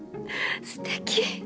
すてき！